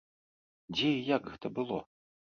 Дзе і як гэта было?